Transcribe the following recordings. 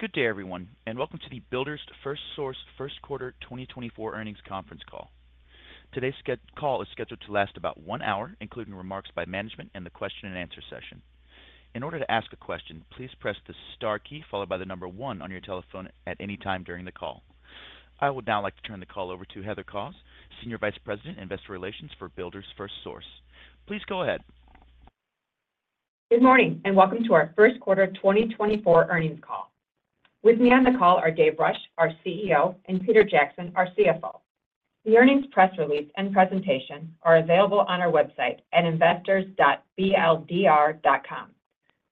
Good day, everyone, and welcome to the Builders FirstSource First Quarter 2024 Earnings Conference Call. Today's scheduled call is scheduled to last about one hour, including remarks by management and the question and answer session. In order to ask a question, please press the star key followed by the number one on your telephone at any time during the call. I would now like to turn the call over to Heather Kos, Senior Vice President, Investor Relations for Builders FirstSource. Please go ahead. Good morning, and welcome to our first quarter 2024 earnings call. With me on the call are Dave Rush, our CEO, and Peter Jackson, our CFO. The earnings press release and presentation are available on our website at investors.bldr.com.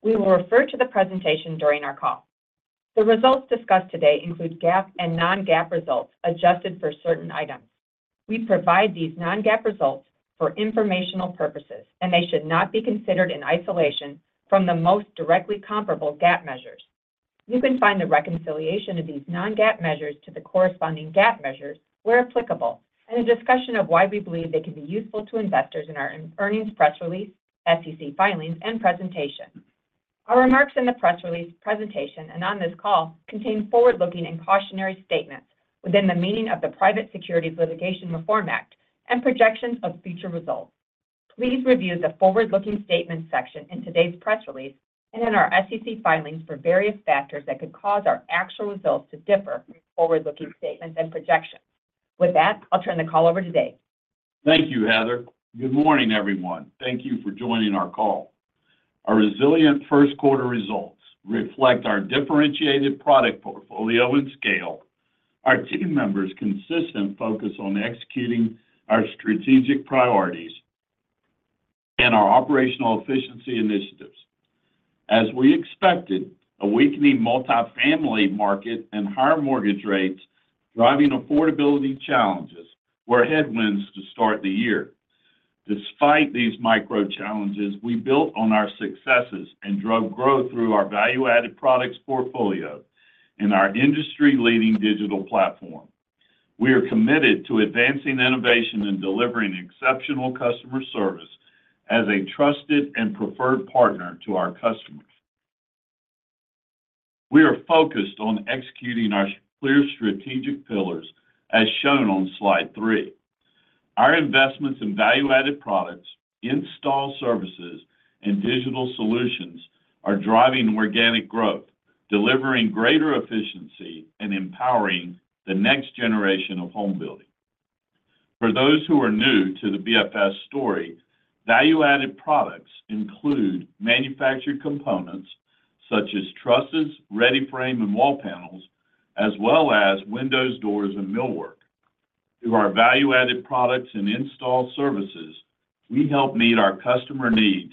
We will refer to the presentation during our call. The results discussed today include GAAP and non-GAAP results, adjusted for certain items. We provide these non-GAAP results for informational purposes, and they should not be considered in isolation from the most directly comparable GAAP measures. You can find the reconciliation of these non-GAAP measures to the corresponding GAAP measures, where applicable, and a discussion of why we believe they can be useful to investors in our earnings press release, SEC filings, and presentation. Our remarks in the press release presentation and on this call contain forward-looking and cautionary statements within the meaning of the Private Securities Litigation Reform Act and projections of future results. Please review the forward-looking statements section in today's press release and in our SEC filings for various factors that could cause our actual results to differ from forward-looking statements and projections. With that, I'll turn the call over to Dave. Thank you, Heather. Good morning, everyone. Thank you for joining our call. Our resilient first quarter results reflect our differentiated product portfolio and scale, our team members' consistent focus on executing our strategic priorities, and our operational efficiency initiatives. As we expected, a weakening multifamily market and higher mortgage rates, driving affordability challenges, were headwinds to start the year. Despite these micro challenges, we built on our successes and drove growth through our value-added products portfolio and our industry-leading digital platform. We are committed to advancing innovation and delivering exceptional customer service as a trusted and preferred partner to our customers. We are focused on executing our clear strategic pillars, as shown on slide three. Our investments in value-added products, install services, and digital solutions are driving organic growth, delivering greater efficiency and empowering the next generation of home building. For those who are new to the BFS story, value-added products include manufactured components such as trusses, READY-FRAME, and wall panels, as well as windows, doors, and millwork. Through our value-added products and install services, we help meet our customer needs,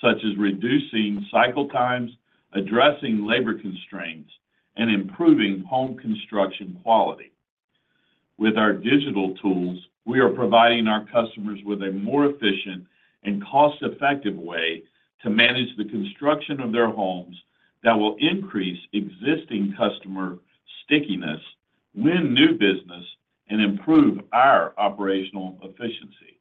such as reducing cycle times, addressing labor constraints, and improving home construction quality. With our digital tools, we are providing our customers with a more efficient and cost-effective way to manage the construction of their homes that will increase existing customer stickiness, win new business, and improve our operational efficiency.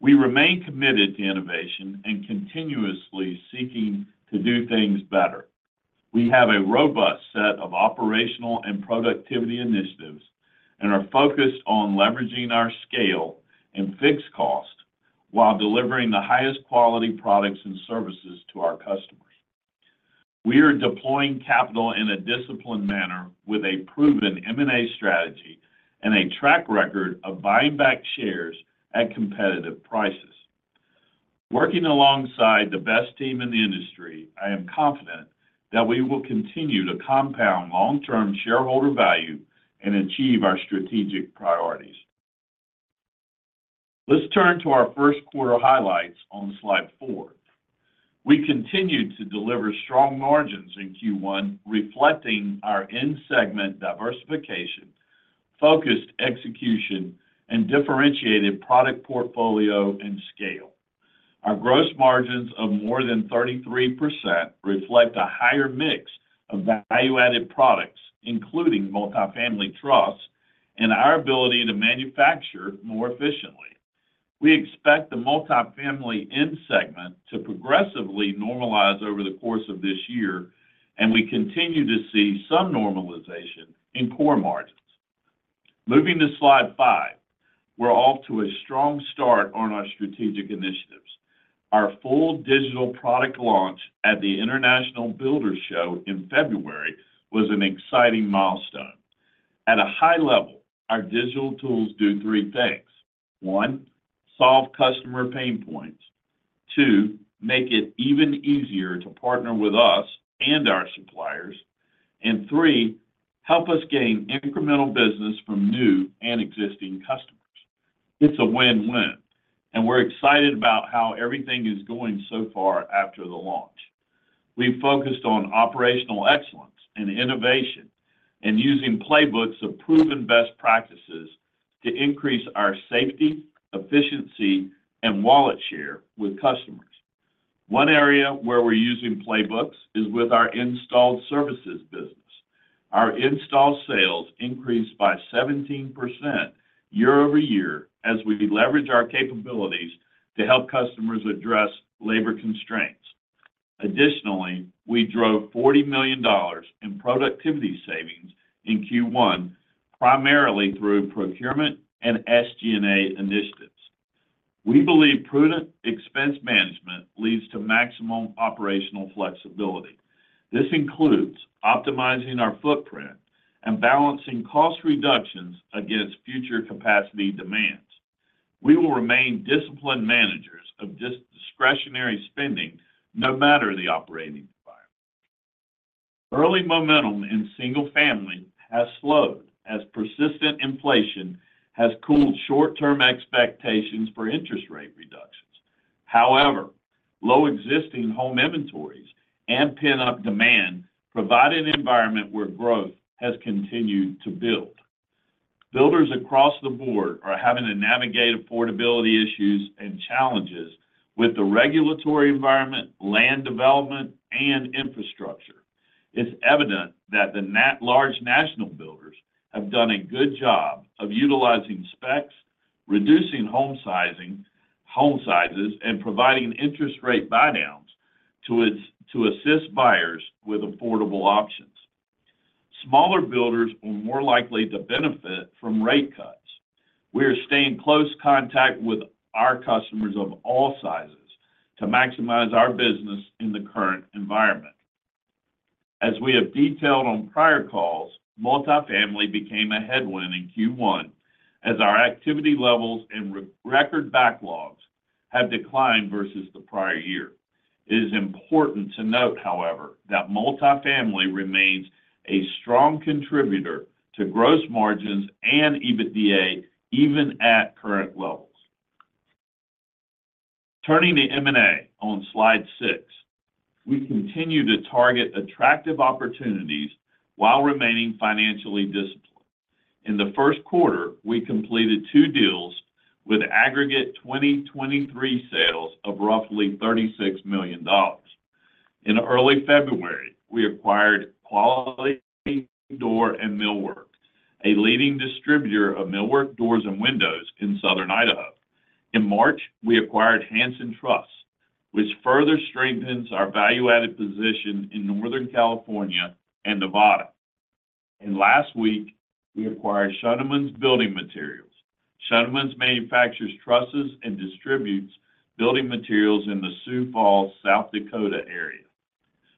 We remain committed to innovation and continuously seeking to do things better. We have a robust set of operational and productivity initiatives and are focused on leveraging our scale and fixed cost while delivering the highest quality products and services to our customers. We are deploying capital in a disciplined manner with a proven M&A strategy and a track record of buying back shares at competitive prices. Working alongside the best team in the industry, I am confident that we will continue to compound long-term shareholder value and achieve our strategic priorities. Let's turn to our first quarter highlights on slide four. We continued to deliver strong margins in Q1, reflecting our end-segment diversification, focused execution, and differentiated product portfolio and scale. Our gross margins of more than 33% reflect a higher mix of value-added products, including multifamily trusses, and our ability to manufacture more efficiently. We expect the multifamily end segment to progressively normalize over the course of this year, and we continue to see some normalization in core margins. Moving to slide five. We're off to a strong start on our strategic initiatives. Our full digital product launch at the International Builders' Show in February was an exciting milestone. At a high level, our digital tools do three things: one, solve customer pain points. two, make it even easier to partner with us and our suppliers. And three, help us gain incremental business from new and existing customers. It's a win-win, and we're excited about how everything is going so far after the launch. We focused on operational excellence and innovation and using playbooks of proven best practices to increase our safety, efficiency, and wallet share with customers. One area where we're using playbooks is with our installed services business. Our install sales increased by 17% year-over-year as we leveraged our capabilities to help customers address labor constraints. Additionally, we drove $40 million in productivity savings in Q1, primarily through procurement and SG&A initiatives. We believe prudent expense management leads to maximum operational flexibility. This includes optimizing our footprint and balancing cost reductions against future capacity demands. We will remain disciplined managers of discretionary spending no matter the operating environment. Early momentum in Single-Family has slowed as persistent inflation has cooled short-term expectations for interest rate reductions. However, low existing home inventories and pent-up demand provide an environment where growth has continued to build. Builders across the board are having to navigate affordability issues and challenges with the regulatory environment, land development, and infrastructure. It's evident that the large national builders have done a good job of utilizing specs, reducing home sizing, home sizes, and providing interest rate buydowns to assist buyers with affordable options. Smaller builders are more likely to benefit from rate cuts. We are staying in close contact with our customers of all sizes to maximize our business in the current environment. As we have detailed on prior calls, multifamily became a headwind in Q1 as our activity levels and record backlogs have declined versus the prior year. It is important to note, however, that multifamily remains a strong contributor to gross margins and EBITDA, even at current levels. Turning to M&A on slide six, we continue to target attractive opportunities while remaining financially disciplined. In the first quarter, we completed two deals with aggregate 2023 sales of roughly $36 million. In early February, we acquired Quality Door & Millwork, a leading distributor of millwork doors and windows in Southern Idaho. In March, we acquired Hanson Truss, which further strengthens our value-added position in Northern California and Nevada. Last week, we acquired Schoeneman's Building Materials. Schoeneman's manufactures trusses and distributes building materials in the Sioux Falls, South Dakota area.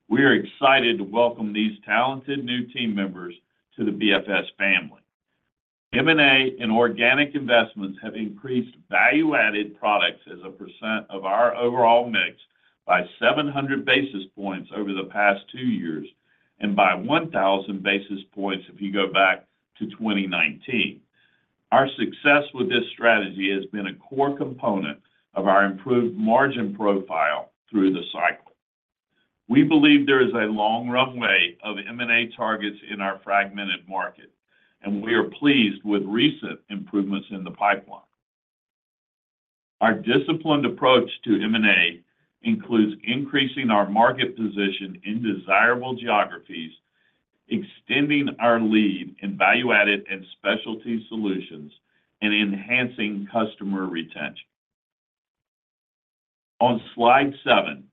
We are excited to welcome these talented new team members to the BFS family. M&A and organic investments have increased value-added products as a percent of our overall mix by 700 basis points over the past two years, and by 1,000 basis points if you go back to 2019. Our success with this strategy has been a core component of our improved margin profile through the cycle. We believe there is a long runway of M&A targets in our fragmented market, and we are pleased with recent improvements in the pipeline. Our disciplined approach to M&A includes increasing our market position in desirable geographies, extending our lead in value-added and specialty solutions, and enhancing customer retention. On slide seven,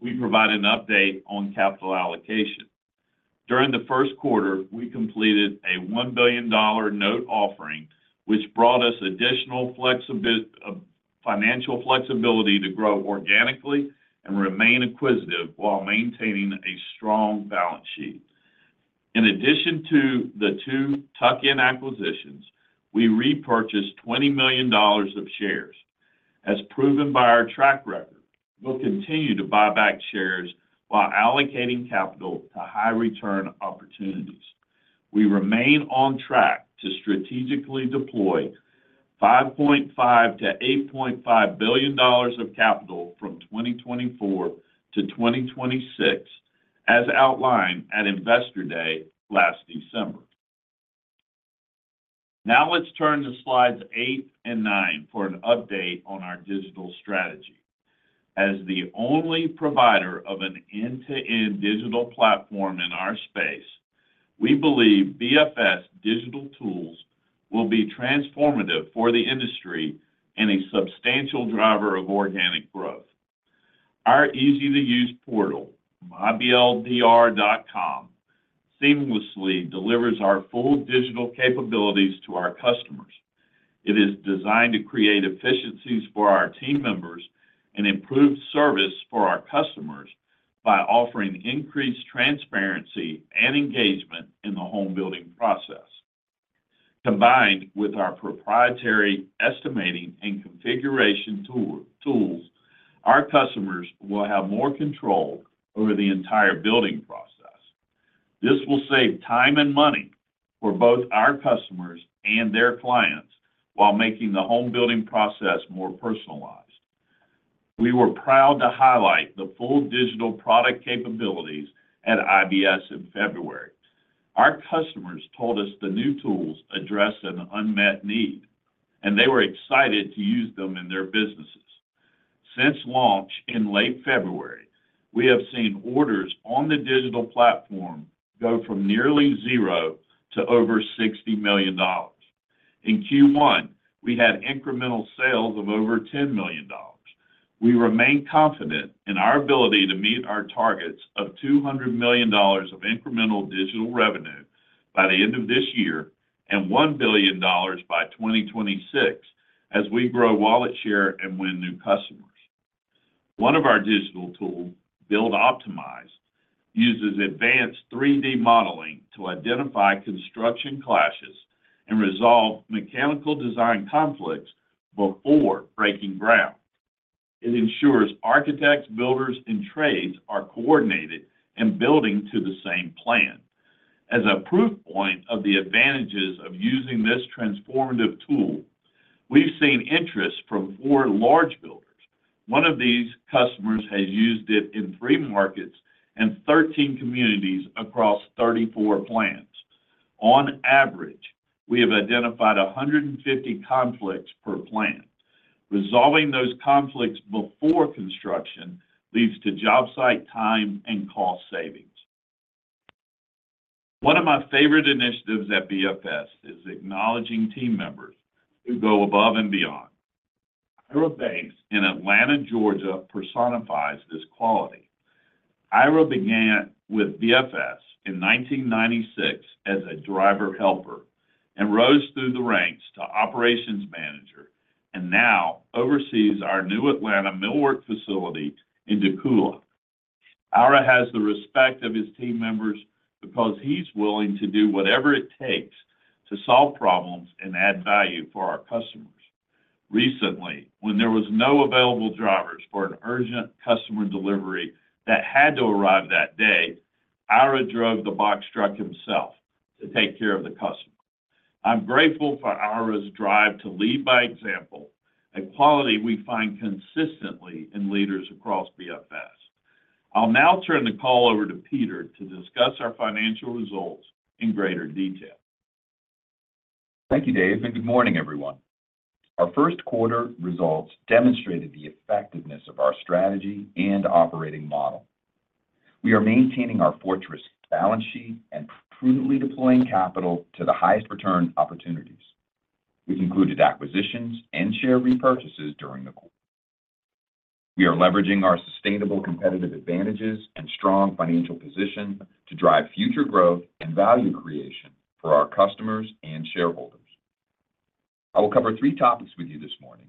we provide an update on capital allocation. During the first quarter, we completed a $1 billion note offering, which brought us additional financial flexibility to grow organically and remain acquisitive while maintaining a strong balance sheet. In addition to the two tuck-in acquisitions, we repurchased $20 million of shares. As proven by our track record, we'll continue to buy back shares while allocating capital to high-return opportunities. We remain on track to strategically deploy $5.5 billion-$8.5 billion of capital from 2024 to 2026, as outlined at Investor Day last December. Now, let's turn to slides eight and nine for an update on our digital strategy. As the only provider of an end-to-end digital platform in our space, we believe BFS digital tools will be transformative for the industry and a substantial driver of organic growth. Our easy-to-use portal, myBLDR.com, seamlessly delivers our full digital capabilities to our customers. It is designed to create efficiencies for our team members and improve service for our customers by offering increased transparency and engagement in the home building process. Combined with our proprietary estimating and configuration tools, our customers will have more control over the entire building process. This will save time and money for both our customers and their clients while making the home building process more personalized. We were proud to highlight the full digital product capabilities at IBS in February. Our customers told us the new tools address an unmet need, and they were excited to use them in their businesses. Since launch in late February, we have seen orders on the digital platform go from nearly zero to over $60 million. In Q1, we had incremental sales of over $10 million. We remain confident in our ability to meet our targets of $200 million of incremental digital revenue by the end of this year and $1 billion by 2026 as we grow wallet share and win new customers. One of our digital tools, Build Optimize, uses advanced 3D modeling to identify construction clashes and resolve mechanical design conflicts before breaking ground. It ensures architects, builders, and trades are coordinated and building to the same plan. As a proof point of the advantages of using this transformative tool, we've seen interest from four large builders. One of these customers has used it in three markets and 13 communities across 34 plants. On average, we have identified 150 conflicts per plant. Resolving those conflicts before construction leads to job site time and cost savings. One of my favorite initiatives at BFS is acknowledging team members who go above and beyond. Ira Banks in Atlanta, Georgia, personifies this quality. Ira began with BFS in 1996 as a driver helper and rose through the ranks to operations manager, and now oversees our new Atlanta millwork facility in Dacula. Ira has the respect of his team members because he's willing to do whatever it takes to solve problems and add value for our customers. Recently, when there was no available drivers for an urgent customer delivery that had to arrive that day, Ira drove the box truck himself to take care of the customer. I'm grateful for Ira's drive to lead by example, a quality we find consistently in leaders across BFS. I'll now turn the call over to Peter to discuss our financial results in greater detail. Thank you, Dave, and good morning, everyone. Our first quarter results demonstrated the effectiveness of our strategy and operating model. We are maintaining our fortress balance sheet and prudently deploying capital to the highest return opportunities, which included acquisitions and share repurchases during the quarter. We are leveraging our sustainable competitive advantages and strong financial position to drive future growth and value creation for our customers and shareholders. I will cover three topics with you this morning.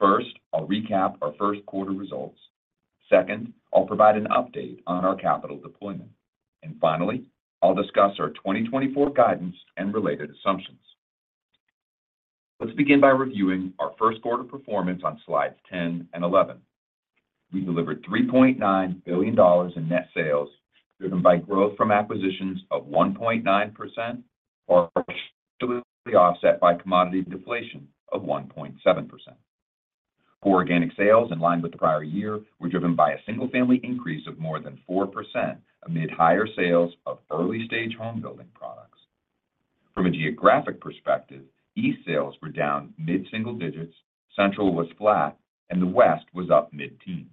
First, I'll recap our first quarter results. Second, I'll provide an update on our capital deployment. Finally, I'll discuss our 2024 guidance and related assumptions. Let's begin by reviewing our first quarter performance on slides 10 and 11. We delivered $3.9 billion in net sales, driven by growth from acquisitions of 1.9%, or partially offset by commodity deflation of 1.7%. Core organic sales, in line with the prior year, were driven by a single-family increase of more than 4% amid higher sales of early-stage home building products. From a geographic perspective, East sales were down mid-single digits, Central was flat, and the West was up mid-teens.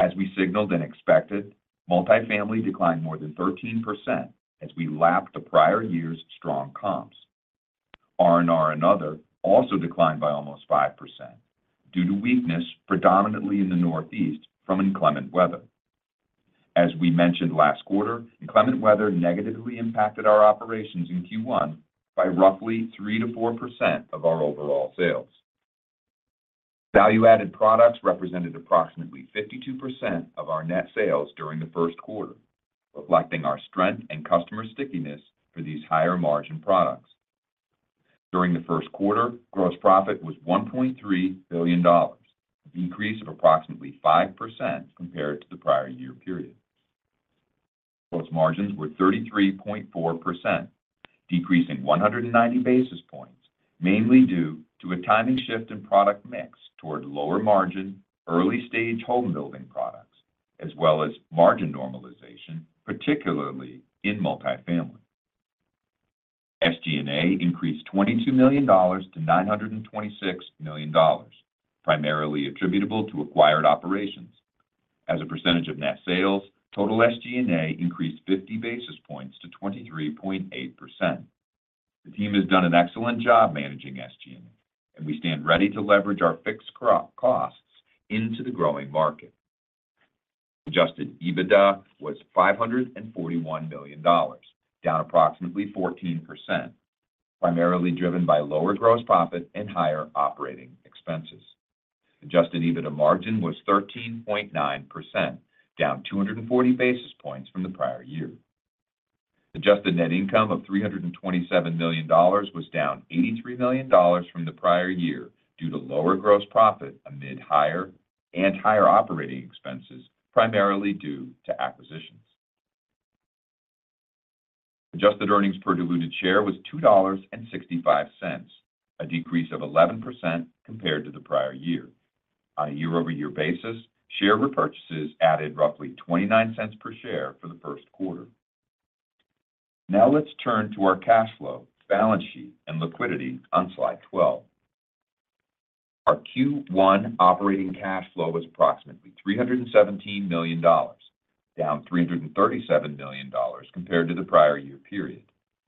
As we signaled and expected, multifamily declined more than 13% as we lapped the prior year's strong comps. R&R and other also declined by almost 5% due to weakness predominantly in the Northeast from inclement weather. As we mentioned last quarter, inclement weather negatively impacted our operations in Q1 by roughly 3%-4% of our overall sales. Value-added products represented approximately 52% of our net sales during the first quarter, reflecting our strength and customer stickiness for these higher-margin products. During the first quarter, gross profit was $1.3 billion, a decrease of approximately 5% compared to the prior year period. Gross margins were 33.4%, decreasing 190 basis points, mainly due to a timing shift in product mix toward lower-margin, early-stage home-building products, as well as margin normalization, particularly in multifamily. SG&A increased $22 million to $926 million, primarily attributable to acquired operations. As a percentage of net sales, total SG&A increased 50 basis points to 23.8%. The team has done an excellent job managing SG&A, and we stand ready to leverage our fixed costs into the growing market. Adjusted EBITDA was $541 million, down approximately 14%, primarily driven by lower gross profit and higher operating expenses. Adjusted EBITDA margin was 13.9%, down 240 basis points from the prior year. Adjusted net income of $327 million was down $83 million from the prior year due to lower gross profit amid higher and higher operating expenses, primarily due to acquisitions. Adjusted earnings per diluted share was $2.65, a decrease of 11% compared to the prior year. On a year-over-year basis, share repurchases added roughly $0.29 per share for the first quarter. Now let's turn to our cash flow, balance sheet, and liquidity on slide 12. Our Q1 operating cash flow was approximately $317 million, down $337 million compared to the prior year period,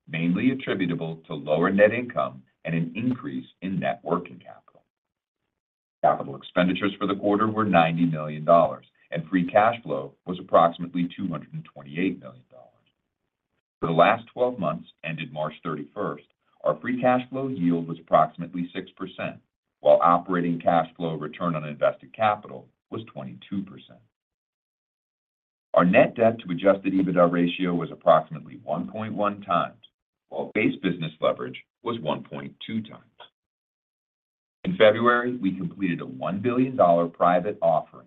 mainly attributable to lower net income and an increase in net working capital. Capital expenditures for the quarter were $90 million, and free cash flow was approximately $228 million. For the last twelve months, ended March 31st, our free cash flow yield was approximately 6%, while operating cash flow return on invested capital was 22%. Our net debt to Adjusted EBITDA ratio was approximately 1.1x, while base business leverage was 1.2x. In February, we completed a $1 billion private offering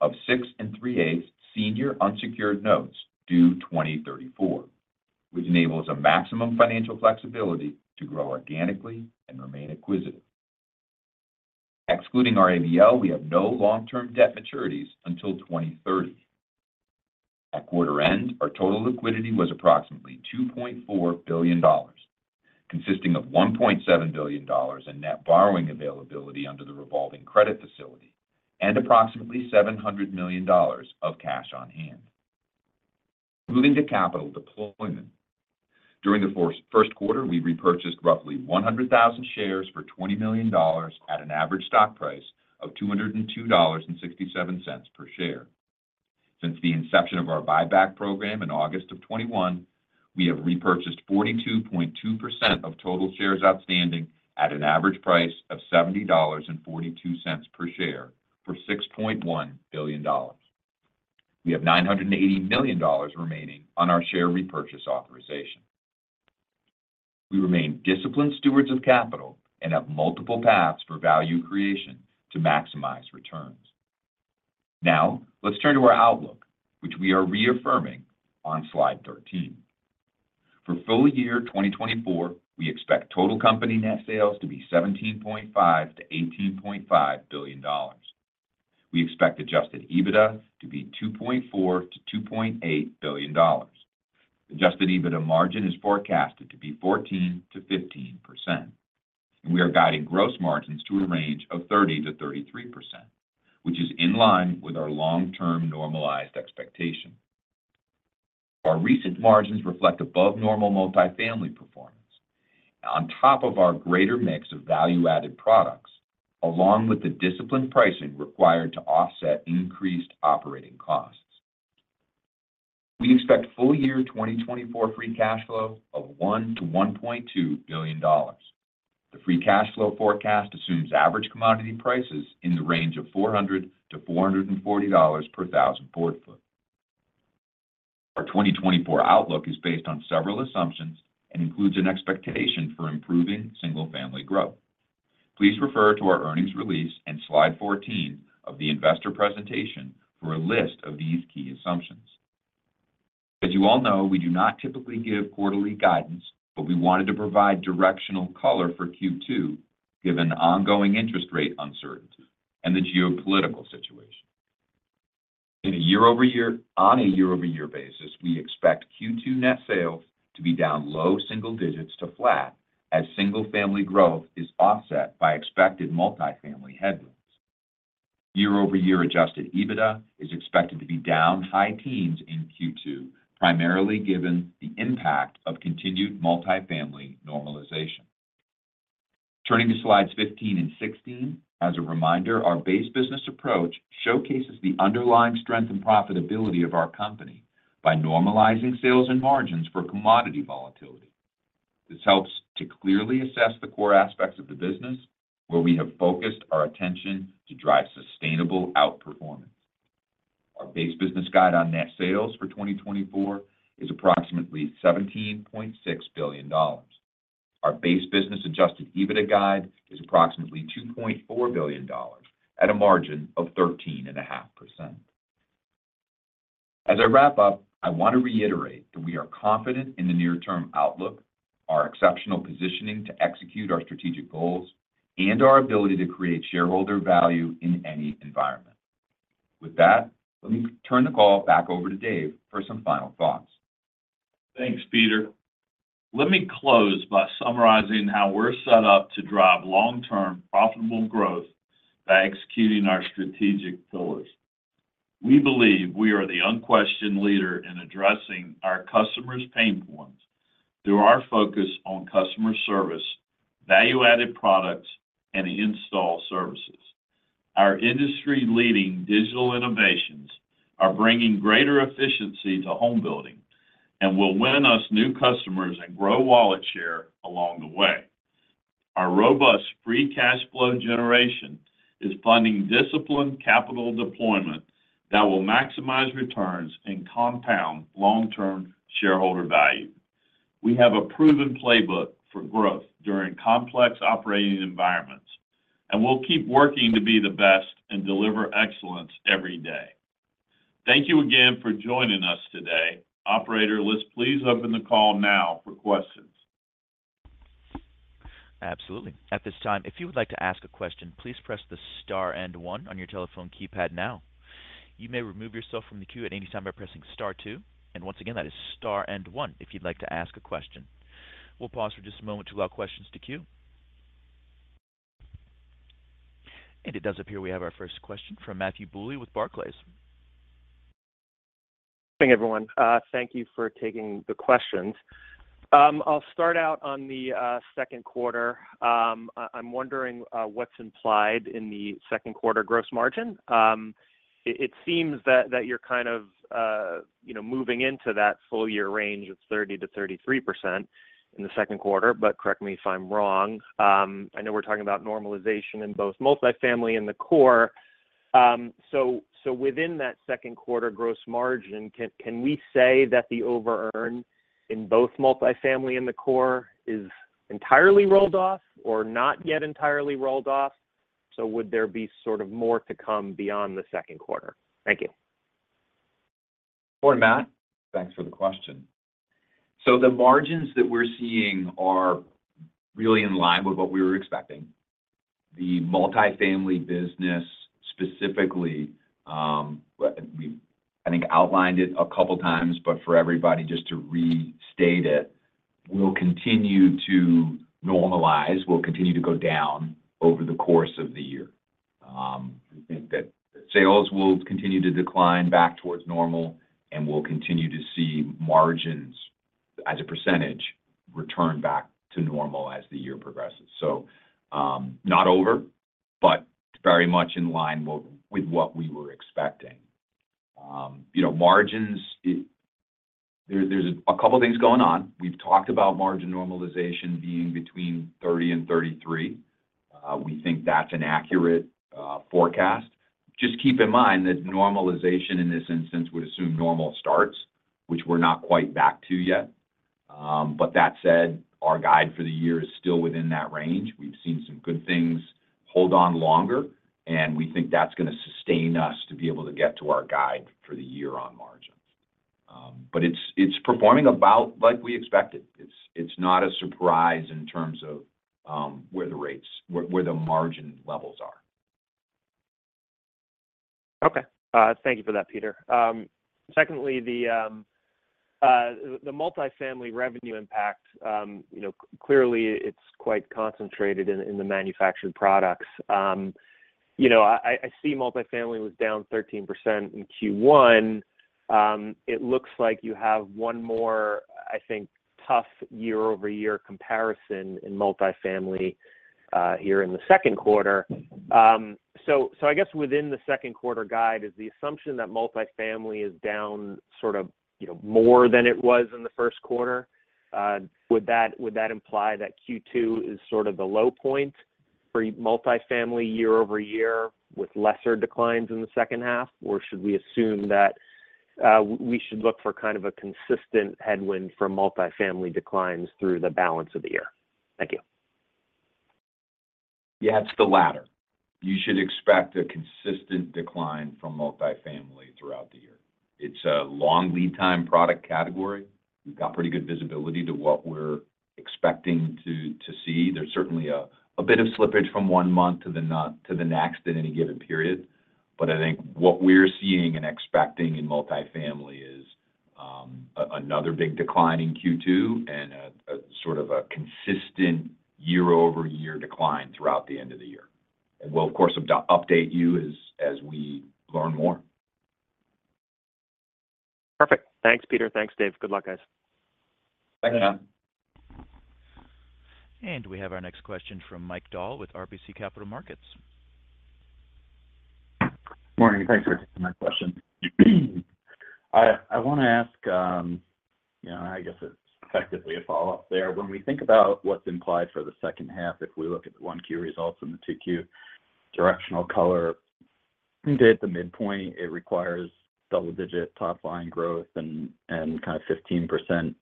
of 6 3/8 senior unsecured notes due 2034, which enables a maximum financial flexibility to grow organically and remain acquisitive. Excluding our ABL, we have no long-term debt maturities until 2030. At quarter end, our total liquidity was approximately $2.4 billion, consisting of $1.7 billion in net borrowing availability under the revolving credit facility and approximately $700 million of cash on hand. Moving to capital deployment. During the first quarter, we repurchased roughly 100,000 shares for $20 million at an average stock price of $202.67 per share. Since the inception of our buyback program in August 2021, we have repurchased 42.2% of total shares outstanding at an average price of $70.42 per share for $6.1 billion. We have $980 million remaining on our share repurchase authorization. We remain disciplined stewards of capital and have multiple paths for value creation to maximize returns. Now, let's turn to our outlook, which we are reaffirming on slide 13. For full year 2024, we expect total company net sales to be $17.5 billion-$18.5 billion. We expect Adjusted EBITDA to be $2.4 billion-$2.8 billion. Adjusted EBITDA margin is forecasted to be 14%-15%, and we are guiding gross margins to a range of 30%-33%, which is in line with our long-term normalized expectation. Our recent margins reflect above normal multifamily performance. On top of our greater mix of value-added products, along with the disciplined pricing required to offset increased operating costs. We expect full year 2024 Free Cash Flow of $1 billion-$1.2 billion. The free cash flow forecast assumes average commodity prices in the range of $400-$440 per thousand board foot. Our 2024 outlook is based on several assumptions and includes an expectation for improving Single-Family growth. Please refer to our earnings release and slide 14 of the investor presentation for a list of these key assumptions. As you all know, we do not typically give quarterly guidance, but we wanted to provide directional color for Q2, given the ongoing interest rate uncertainty and the geopolitical situation. On a year-over-year basis, we expect Q2 net sales to be down low single digits to flat, as Single-Family growth is offset by expected Multifamily headwinds. Year-over-year Adjusted EBITDA is expected to be down high teens in Q2, primarily given the impact of continued Multifamily normalization. Turning to slides 15 and 16. As a reminder, our base business approach showcases the underlying strength and profitability of our company by normalizing sales and margins for commodity volatility. This helps to clearly assess the core aspects of the business, where we have focused our attention to drive sustainable outperformance. Our base business guide on net sales for 2024 is approximately $17.6 billion. Our base business adjusted EBITDA guide is approximately $2.4 billion at a margin of 13.5%. As I wrap up, I want to reiterate that we are confident in the near term outlook, our exceptional positioning to execute our strategic goals, and our ability to create shareholder value in any environment. With that, let me turn the call back over to Dave for some final thoughts. Thanks, Peter. Let me close by summarizing how we're set up to drive long-term profitable growth by executing our strategic pillars. We believe we are the unquestioned leader in addressing our customers' pain points through our focus on customer service, value-added products, and install services. Our industry-leading digital innovations are bringing greater efficiency to home building and will win us new customers and grow wallet share along the way. Our robust Free Cash Flow generation is funding disciplined capital deployment that will maximize returns and compound long-term shareholder value. We have a proven playbook for growth during complex operating environments, and we'll keep working to be the best and deliver excellence every day. Thank you again for joining us today. Operator, let's please open the call now for questions. Absolutely. At this time, if you would like to ask a question, please press the star and one on your telephone keypad now. You may remove yourself from the queue at any time by pressing star two. And once again, that is star and one if you'd like to ask a question. We'll pause for just a moment to allow questions to queue. And it does appear we have our first question from Matthew Bouley with Barclays. Hey, everyone. Thank you for taking the questions. I'll start out on the second quarter. I'm wondering what's implied in the second quarter gross margin. It seems that you're kind of, you know, moving into that full year range of 30%-33% in the second quarter, but correct me if I'm wrong. I know we're talking about normalization in both multifamily and the core. So within that second quarter gross margin, can we say that the over earn in both multifamily and the core is entirely rolled off or not yet entirely rolled off? So would there be sort of more to come beyond the second quarter? Thank you. Good morning, Matt. Thanks for the question. So the margins that we're seeing are really in line with what we were expecting. The multifamily business, specifically, I think outlined it a couple times, but for everybody just to restate it, we'll continue to normalize. We'll continue to go down over the course of the year. We think that sales will continue to decline back towards normal, and we'll continue to see margins, as a percentage, return back to normal as the year progresses. So, not over, but very much in line with, with what we were expecting. You know, margins, it, there, there's a couple of things going on. We've talked about margin normalization being between 30% and 33%. We think that's an accurate forecast. Just keep in mind that normalization in this instance would assume normal starts, which we're not quite back to yet. But that said, our guide for the year is still within that range. We've seen some good things hold on longer, and we think that's gonna sustain us to be able to get to our guide for the year on margins. But it's performing about like we expected. It's not a surprise in terms of where the margin levels are. Okay. Thank you for that, Peter. Secondly, the multifamily revenue impact, you know, clearly it's quite concentrated in the manufactured products. You know, I see multifamily was down 13% in Q1. It looks like you have one more, I think, tough year-over-year comparison in multifamily here in the second quarter. So I guess within the second quarter guide, is the assumption that multifamily is down sort of, you know, more than it was in the first quarter? Would that imply that Q2 is sort of the low point for multifamily year-over-year with lesser declines in the second half? Or should we assume that we should look for kind of a consistent headwind for multifamily declines through the balance of the year? Thank you. Yeah, it's the latter. You should expect a consistent decline from multifamily throughout the year. It's a long lead time product category. We've got pretty good visibility to what we're expecting to see. There's certainly a bit of slippage from one month to the next in any given period. But I think what we're seeing and expecting in multifamily is another big decline in Q2 and a sort of consistent year-over-year decline throughout the end of the year. We'll, of course, update you as we learn more. Perfect. Thanks, Peter. Thanks, Dave. Good luck, guys. Thank you. We have our next question from Mike Dahl with RBC Capital Markets. Morning. Thanks for taking my question. I want to ask, you know, I guess it's effectively a follow-up there. When we think about what's implied for the second half, if we look at the 1Q results and the 2Q directional color, at the midpoint, it requires double-digit top line growth and kind of 15%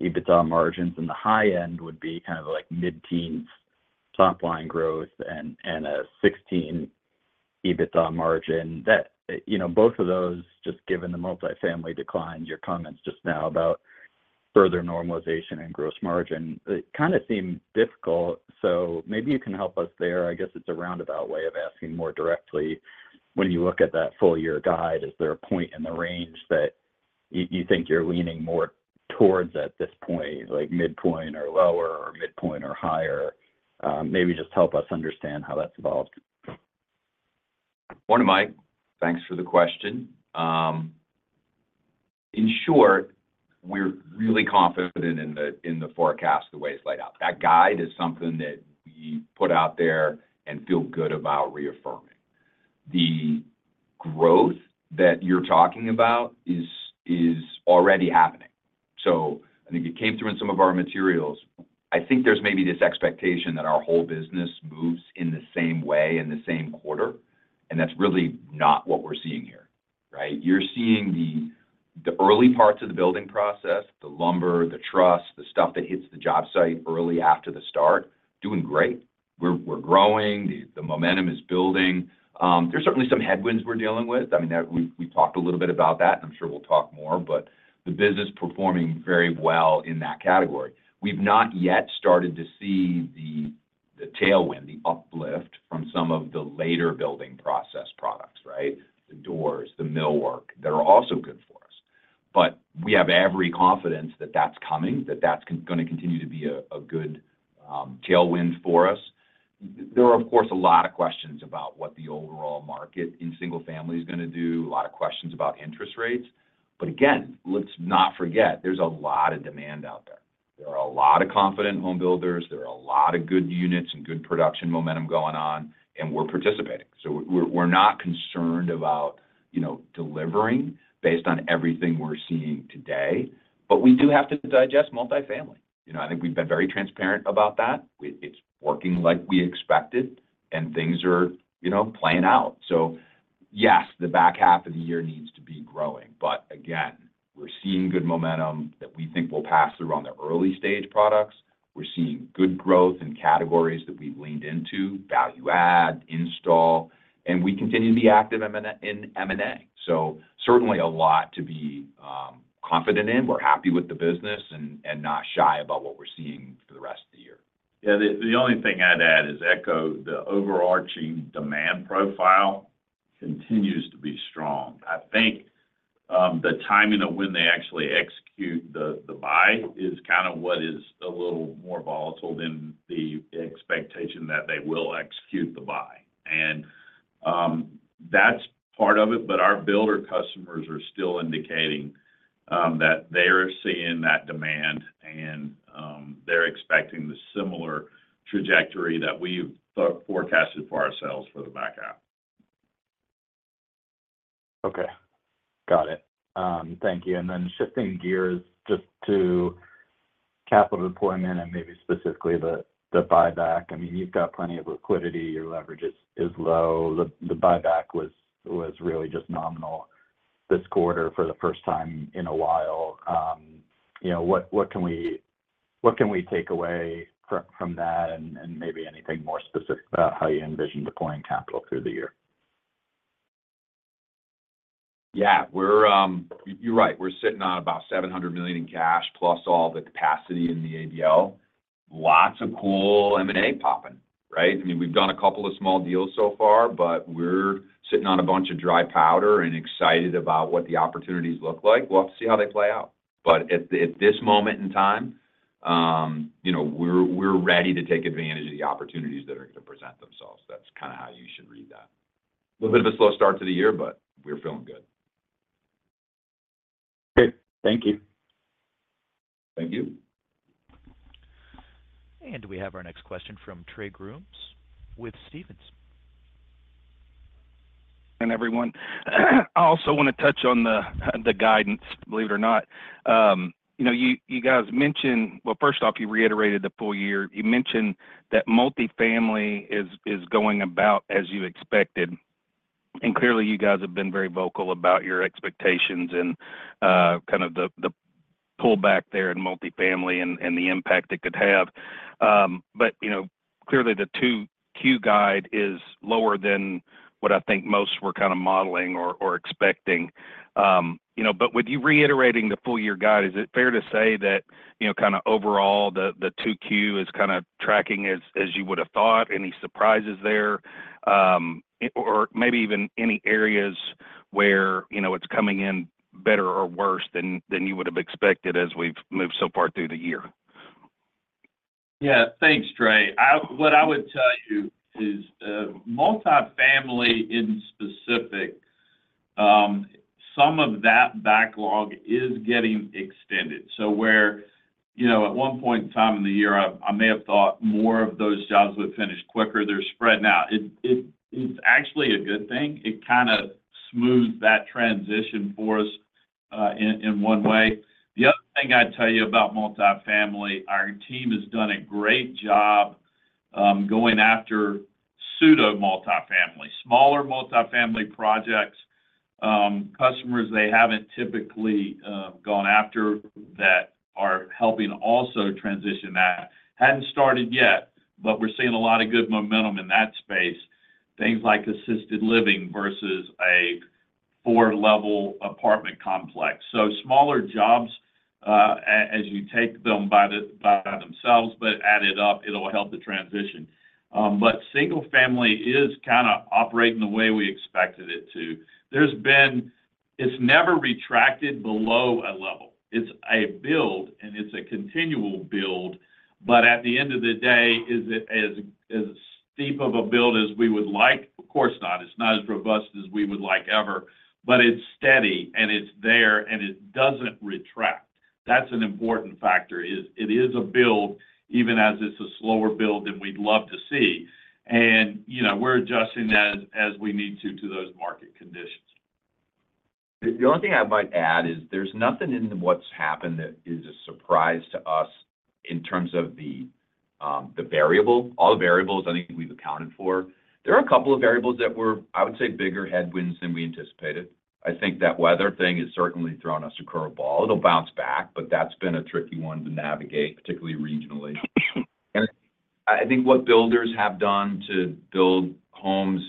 EBITDA margins, and the high end would be kind of like mid-teens top line growth and a 16% EBITDA margin. That, you know, both of those, just given the multifamily declines, your comments just now about further normalization and gross margin, it kind of seem difficult. So maybe you can help us there. I guess it's a roundabout way of asking more directly, when you look at that full year guide, is there a point in the range that you, you think you're leaning more towards at this point, like midpoint or lower or midpoint or higher? Maybe just help us understand how that's evolved. Morning, Mike. Thanks for the question. In short, we're really confident in the forecast, the way it's laid out. That guide is something that we put out there and feel good about reaffirming. The growth that you're talking about is already happening. So I think it came through in some of our materials. I think there's maybe this expectation that our whole business moves in the same way in the same quarter, and that's really not what we're seeing here, right? You're seeing the early parts of the building process, the lumber, the truss, the stuff that hits the job site early after the start, doing great. We're growing, the momentum is building. There's certainly some headwinds we're dealing with. I mean, we, we talked a little bit about that, and I'm sure we'll talk more, but the business is performing very well in that category. We've not yet started to see the tailwind, the uplift from some of the later building process products, right? The doors, the millwork, that are also good for us. But we have every confidence that that's coming, that that's gonna continue to be a good tailwind for us. There are, of course, a lot of questions about what the overall market in Single-Family is gonna do, a lot of questions about interest rates. But again, let's not forget, there's a lot of demand out there. There are a lot of confident homebuilders, there are a lot of good units and good production momentum going on, and we're participating. We're not concerned about, you know, delivering based on everything we're seeing today, but we do have to digest multifamily. You know, I think we've been very transparent about that. It's working like we expected, and things are, you know, playing out. So yes, the back half of the year needs to be growing, but again, we're seeing good momentum that we think will pass through on the early stage products. We're seeing good growth in categories that we've leaned into, value add, install, and we continue to be active in M&A. So certainly a lot to be confident in. We're happy with the business and not shy about what we're seeing for the rest of the year. Yeah, the only thing I'd add is, I echo the overarching demand profile continues to be strong. I think, the timing of when they actually execute the buy is kind of what is a little more volatile than the expectation that they will execute the buy. And, that's part of it, but our builder customers are still indicating that they're seeing that demand, and, they're expecting the similar trajectory that we've forecasted for ourselves for the back half. Okay. Got it. Thank you. And then shifting gears just to capital deployment and maybe specifically the buyback. I mean, you've got plenty of liquidity, your leverage is low. The buyback was really just nominal this quarter for the first time in a while. You know, what can we take away from that, and maybe anything more specific about how you envision deploying capital through the year? Yeah, we're. You're right. We're sitting on about $700 million in cash, plus all the capacity in the ABL. Lots of cool M&A popping, right? I mean, we've done a couple of small deals so far, but we're sitting on a bunch of dry powder and excited about what the opportunities look like. We'll have to see how they play out. But at this moment in time, you know, we're ready to take advantage of the opportunities that are gonna present themselves. That's kind of how you should read that. A little bit of a slow start to the year, but we're feeling good. Great. Thank you. Thank you. We have our next question from Trey Grooms with Stephens. And everyone, I also want to touch on the guidance, believe it or not. You know, you guys mentioned—well, first off, you reiterated the full year. You mentioned that multifamily is going about as you expected, and clearly, you guys have been very vocal about your expectations and kind of the pullback there in multifamily and the impact it could have. But you know, clearly, the 2Q guide is lower than what I think most were kind of modeling or expecting. You know, but with you reiterating the full year guide, is it fair to say that you know, kind of overall, the 2Q is kind of tracking as you would have thought? Any surprises there, or maybe even any areas where, you know, it's coming in better or worse than you would have expected as we've moved so far through the year? Yeah. Thanks, Trey. What I would tell you is, multifamily, in specific, some of that backlog is getting extended. So where, you know, at one point in time in the year, I may have thought more of those jobs would finish quicker, they're spread out. It's actually a good thing. It kind of smoothed that transition for us, in one way. The other thing I'd tell you about multifamily, our team has done a great job, going after pseudo-multifamily, smaller multifamily projects. Customers they haven't typically, gone after that are helping also transition that. Hadn't started yet, but we're seeing a lot of good momentum in that space. Things like assisted living versus a four-level apartment complex. So smaller jobs, as you take them by themselves, but added up, it'll help the transition. Single family is kind of operating the way we expected it to. There's been. It's never retracted below a level. It's a build, and it's a continual build, but at the end of the day, is it as steep of a build as we would like? Of course not. It's not as robust as we would like ever, but it's steady, and it's there, and it doesn't retract. That's an important factor, is it is a build, even as it's a slower build than we'd love to see. And, you know, we're adjusting as we need to, to those market conditions. The only thing I might add is, there's nothing in what's happened that is a surprise to us in terms of the variable. All the variables, I think we've accounted for. There are a couple of variables that were, I would say, bigger headwinds than we anticipated. I think that weather thing has certainly thrown us a curveball. It'll bounce back, but that's been a tricky one to navigate, particularly regionally. I think what builders have done to build homes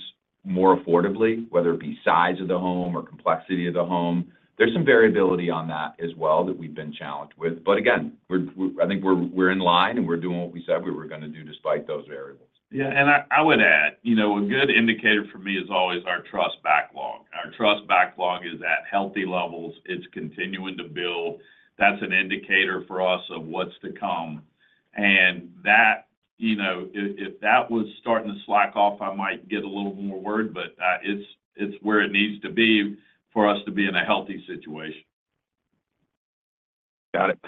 more affordably, whether it be size of the home or complexity of the home, there's some variability on that as well that we've been challenged with. But again, we're, I think we're in line, and we're doing what we said we were going to do despite those variables. Yeah, and I, I would add, you know, a good indicator for me is always our truss backlog. Our truss backlog is at healthy levels. It's continuing to build. That's an indicator for us of what's to come, and that, you know, if, if that was starting to slack off, I might get a little more worried, but it's, it's where it needs to be for us to be in a healthy situation. Got it.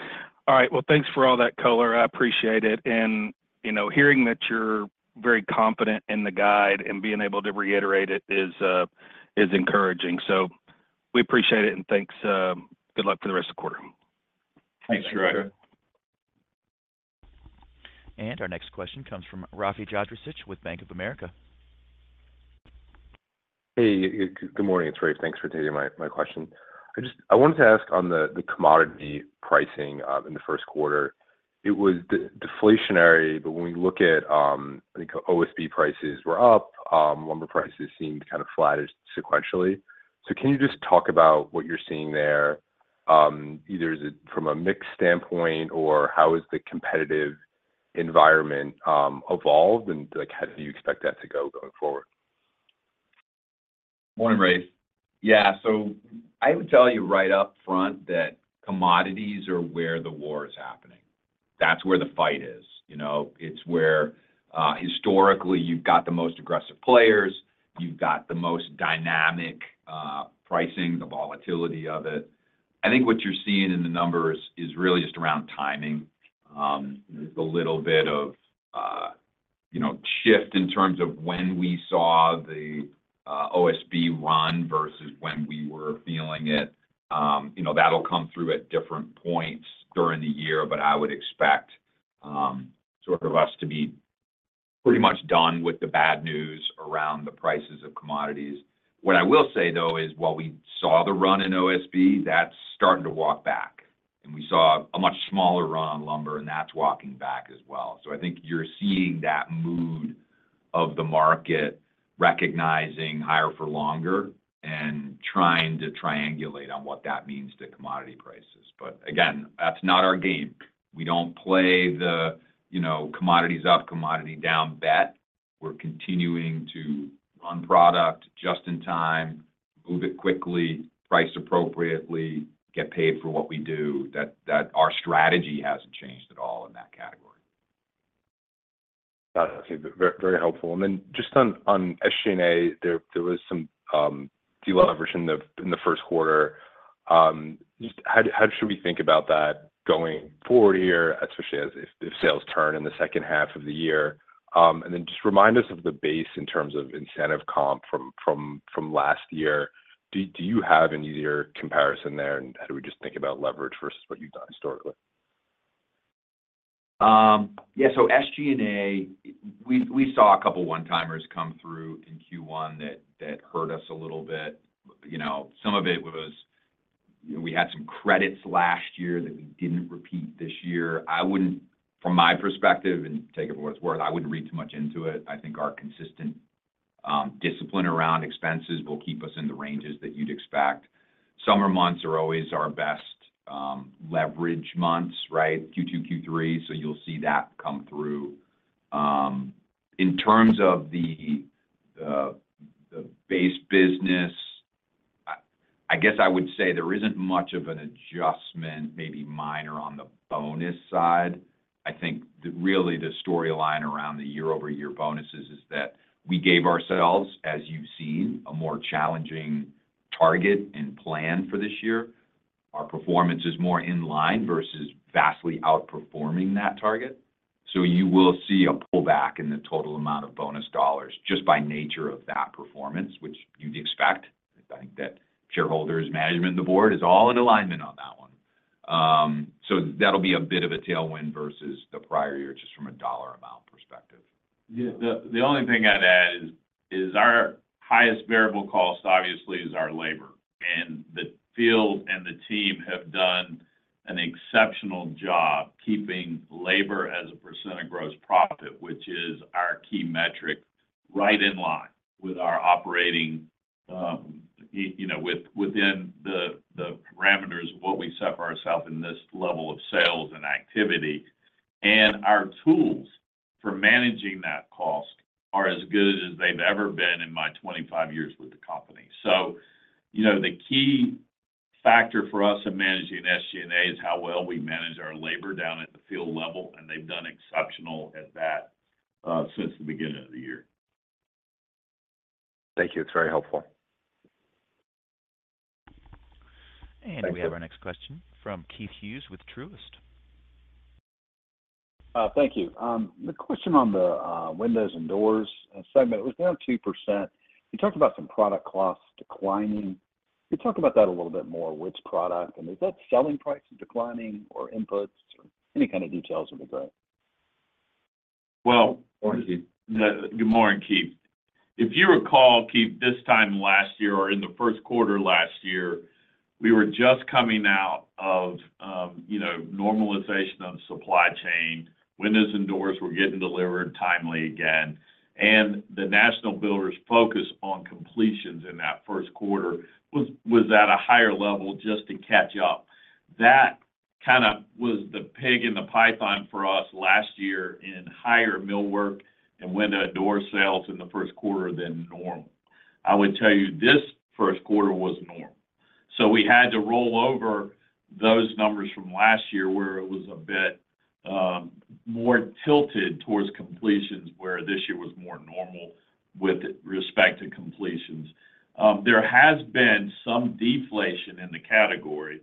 All right. Well, thanks for all that, color. I appreciate it. And, you know, hearing that you're very confident in the guide and being able to reiterate it is encouraging. So we appreciate it, and thanks... Good luck for the rest of the quarter. Thanks, Trey Our next question comes from Rafe Jadrosich with Bank of America. Hey, good morning. It's Rafe. Thanks for taking my question. I wanted to ask on the commodity pricing in the first quarter. It was deflationary, but when we look at, I think OSB prices were up, lumber prices seemed kind of flattish sequentially. So can you just talk about what you're seeing there? Either is it from a mix standpoint, or how is the competitive environment evolved, and, like, how do you expect that to go going forward? Morning, Rafe. Yeah. So I would tell you right up front that commodities are where the war is happening. That's where the fight is. You know, it's where, historically, you've got the most aggressive players, you've got the most dynamic, pricing, the volatility of it. I think what you're seeing in the numbers is really just around timing. There's a little bit of, you know, shift in terms of when we saw the, OSB run versus when we were feeling it. You know, that'll come through at different points during the year, but I would expect, sort of us to be pretty much done with the bad news around the prices of commodities. What I will say, though, is while we saw the run in OSB, that's starting to walk back, and we saw a much smaller run on lumber, and that's walking back as well. So I think you're seeing that mood of the market recognizing higher for longer and trying to triangulate on what that means to commodity prices. But again, that's not our game. We don't play the, you know, commodities up, commodity down bet. We're continuing to run product just in time, move it quickly, price appropriately, get paid for what we do. That our strategy hasn't changed at all in that category. Got it. Okay. Very, very helpful. And then just on SG&A, there was some de-leverage in the first quarter. How should we think about that going forward here, especially as if sales turn in the second half of the year? And then just remind us of the base in terms of incentive comp from last year. Do you have an easier comparison there, and how do we just think about leverage versus what you've done historically? Yeah, so SG&A, we saw a couple one-timers come through in Q1 that hurt us a little bit. You know, some of it was, we had some credits last year that we didn't repeat this year. I wouldn't... From my perspective, and take it for what it's worth, I wouldn't read too much into it. I think our consistent discipline around expenses will keep us in the ranges that you'd expect. Summer months are always our best leverage months, right? Q2, Q3, so you'll see that come through. In terms of the Base Business, I guess I would say there isn't much of an adjustment, maybe minor, on the bonus side. I think really the storyline around the year-over-year bonuses is that we gave ourselves, as you've seen, a more challenging target and plan for this year. Our performance is more in line versus vastly outperforming that target, so you will see a pullback in the total amount of bonus dollars just by nature of that performance, which you'd expect. I think that shareholders, management, and the board is all in alignment on that one. So that'll be a bit of a tailwind versus the prior year, just from a dollar amount perspective. Yeah. The only thing I'd add is our highest variable cost obviously is our labor, and the field and the team have done an exceptional job keeping labor as a percent of gross profit, which is our key metric, right in line with our operating, you know, within the parameters of what we set for ourselves in this level of sales and activity. And our tools for managing that cost are as good as they've ever been in my 25 years with the company. So, you know, the key factor for us in managing SG&A is how well we manage our labor down at the field level, and they've done exceptional at that, since the beginning of the year. Thank you. It's very helpful. We have our next question from Keith Hughes with Truist. Thank you. The question on the windows and doors segment, it was down 2%. You talked about some product costs declining. Can you talk about that a little bit more, which product, and is that selling prices declining or inputs? Any kind of details would be great. Well- Morning, Keith. Good morning, Keith. If you recall, Keith, this time last year or in the first quarter last year, we were just coming out of, you know, normalization of the supply chain. Windows and doors were getting delivered timely again, and the national builders' focus on completions in that first quarter was at a higher level just to catch up. That kind of was the pig in the python for us last year in higher millwork and window door sales in the first quarter than normal. I would tell you this first quarter was normal, so we had to roll over those numbers from last year, where it was a bit more tilted towards completions, where this year was more normal with respect to completions. There has been some deflation in the category,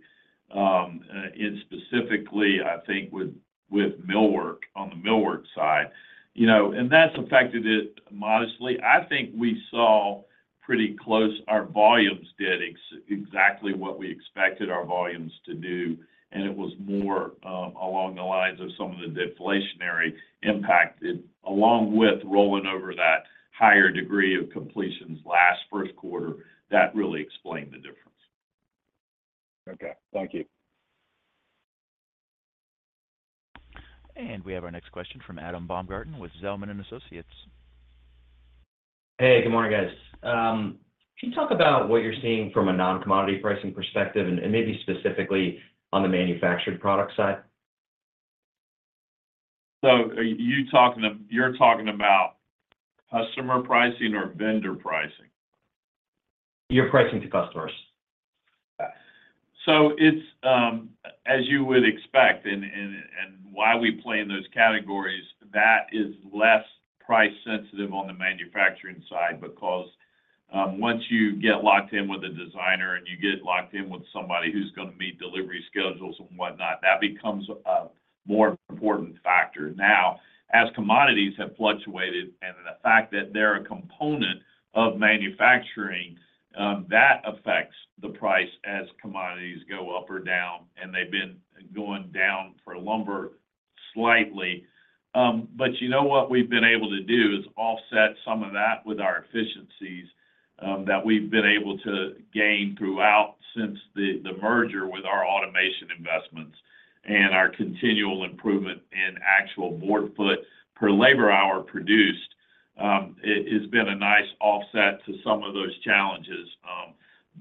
and specifically, I think with, with millwork, on the millwork side, you know, and that's affected it modestly. I think we saw pretty close, our volumes did exactly what we expected our volumes to do, and it was more, along the lines of some of the deflationary impact, along with rolling over that higher degree of completions last first quarter. That really explained the difference. Okay. Thank you. We have our next question from Adam Baumgarten with Zelman & Associates. Hey, good morning, guys. Can you talk about what you're seeing from a non-commodity pricing perspective and, and maybe specifically on the manufactured product side? You're talking about customer pricing or vendor pricing? Your pricing to customers. It's, as you would expect and why we play in those categories, that is less price sensitive on the manufacturing side because, once you get locked in with a designer and you get locked in with somebody who's gonna meet delivery schedules and whatnot, that becomes a more important factor. Now, as commodities have fluctuated and the fact that they're a component of manufacturing, that affects the price as commodities go up or down, and they've been going down for lumber slightly. You know what we've been able to do is offset some of that with our efficiencies, that we've been able to gain throughout since the merger with our automation investments and our continual improvement in actual board foot per labor hour produced. It has been a nice offset to some of those challenges.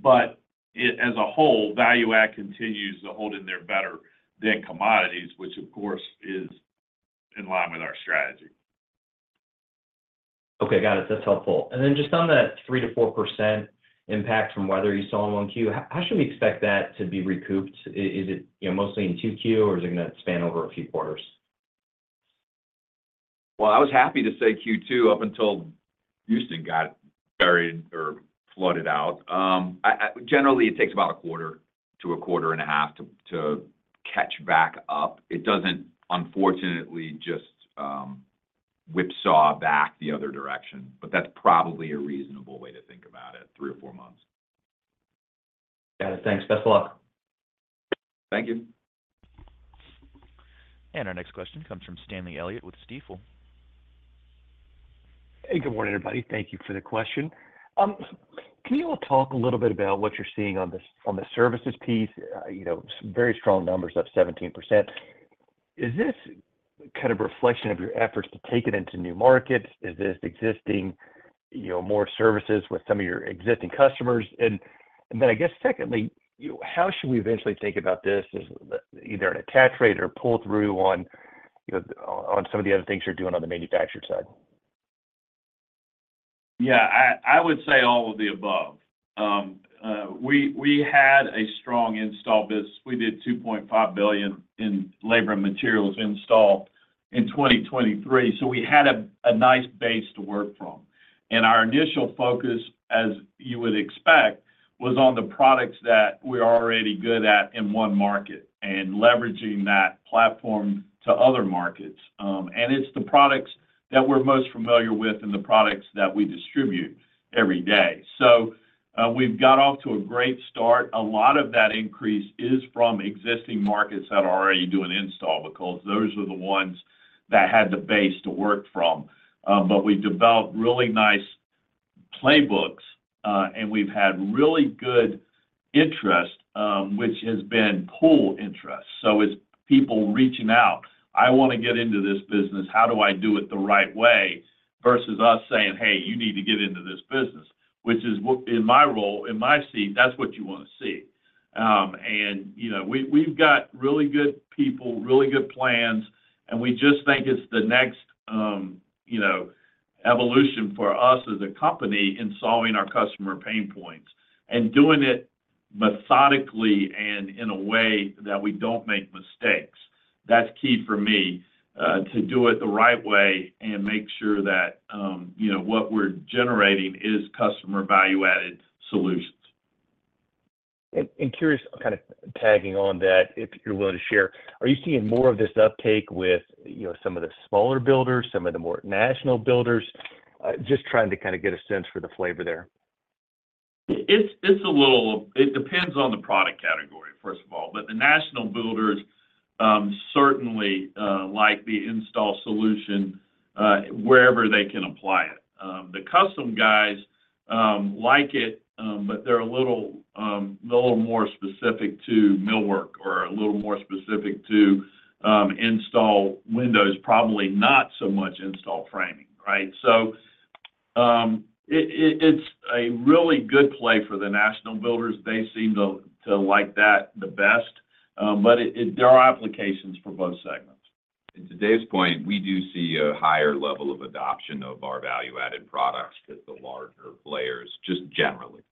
But it, as a whole, value add continues to hold in there better than commodities, which, of course, is in line with our strategy. Okay, got it. That's helpful. And then just on that 3%-4% impact from weather you saw on 1Q, how should we expect that to be recouped? Is it, you know, mostly in 2Q, or is it gonna span over a few quarters? Well, I was happy to say Q2 up until Houston got buried or flooded out. Generally, it takes about a quarter to a quarter and a half to catch back up. It doesn't, unfortunately, just whipsaw back the other direction, but that's probably a reasonable way to think about it, three or four months. Got it. Thanks. Best of luck. Thank you. Our next question comes from Stanley Elliott with Stifel. Hey, good morning, everybody. Thank you for the question. Can you all talk a little bit about what you're seeing on the, on the services piece? You know, some very strong numbers up 17%. Is this kind of reflection of your efforts to take it into new markets? Is this existing, you know, more services with some of your existing customers? And, and then I guess secondly, how should we eventually think about this as either an attach rate or pull through on, you know, on some of the other things you're doing on the manufactured side? Yeah, I would say all of the above. We had a strong install base. We did $2.5 billion in labor and materials installed in 2023, so we had a nice base to work from. And our initial focus, as you would expect, was on the products that we're already good at in one market and leveraging that platform to other markets. And it's the products that we're most familiar with and the products that we distribute every day. So, we've got off to a great start. A lot of that increase is from existing markets that are already doing install, because those are the ones that had the base to work from. But we developed really nice playbooks, and we've had really good interest, which has been pull interest. It's people reaching out, "I want to get into this business. How do I do it the right way?" Versus us saying, "Hey, you need to get into this business," which is what, in my role, in my seat, that's what you want to see. And, you know, we've got really good people, really good plans, and we just think it's the next, you know, evolution for us as a company in solving our customer pain points. And doing it methodically and in a way that we don't make mistakes, that's key for me, to do it the right way and make sure that, you know, what we're generating is customer value-added solutions. Curious, kind of tagging on that, if you're willing to share, are you seeing more of this uptake with, you know, some of the smaller builders, some of the more national builders? Just trying to kind of get a sense for the flavor there. It's a little-- it depends on the product category, first of all. But the national builders certainly like the install solution wherever they can apply it. The custom guys like it, but they're a little more specific to millwork or a little more specific to install windows, probably not so much install framing, right? So, it's a really good play for the national builders. They seem to like that the best, but there are applications for both segments. To Dave's point, we do see a higher level of adoption of our value-added products at the larger players, just generally.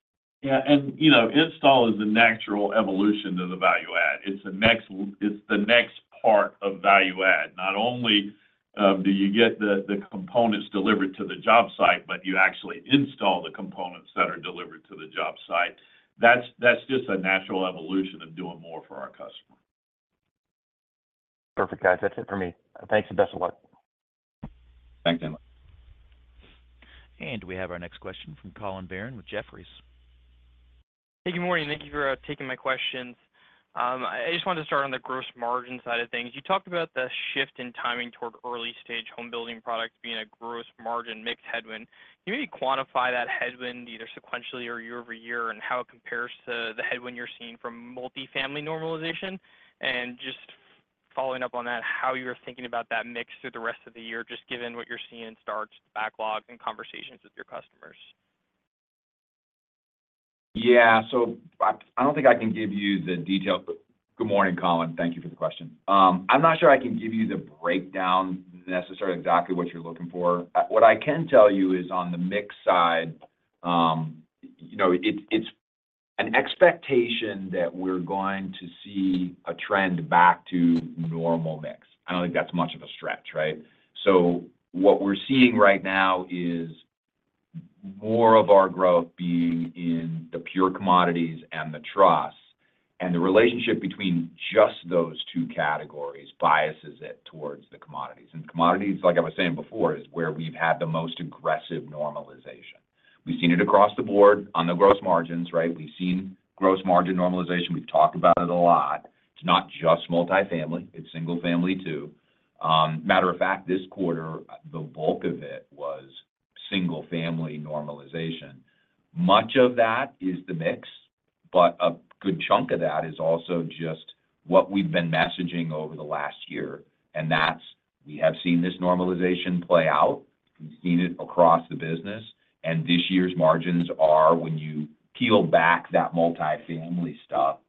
Yeah, and, you know, install is the natural evolution of the value add. It's the next—it's the next part of value add. Not only do you get the, the components delivered to the job site, but you actually install the components that are delivered to the job site. That's, that's just a natural evolution of doing more for our customer. Perfect, guys. That's it for me. Thanks, and best of luck. Thanks, Stanley We have our next question from Collin Verron with Jefferies. Hey, good morning. Thank you for taking my questions. I just wanted to start on the gross margin side of things. You talked about the shift in timing toward early-stage home building products being a gross margin mix headwind. Can you quantify that headwind, either sequentially or year over year, and how it compares to the headwind you're seeing from multifamily normalization? And just following up on that, how you're thinking about that mix through the rest of the year, just given what you're seeing in starts, backlogs, and conversations with your customers? Good morning, Collin, thank you for the question. I'm not sure I can give you the breakdown necessarily exactly what you're looking for. What I can tell you is on the mix side, you know, it's an expectation that we're going to see a trend back to normal mix. I don't think that's much of a stretch, right? So what we're seeing right now is more of our growth being in the pure commodities and the trusses, and the relationship between just those two categories biases it towards the commodities. And commodities, like I was saying before, is where we've had the most aggressive normalization. We've seen it across the board on the gross margins, right? We've seen gross margin normalization. We've talked about it a lot. It's not just Multifamily, it's Single-Family, too. Matter of fact, this quarter, the bulk of it was Single-Family normalization. Much of that is the mix, but a good chunk of that is also just what we've been messaging over the last year, and that's, we have seen this normalization play out. We've seen it across the business, and this year's margins are, when you peel back that Multifamily stuff,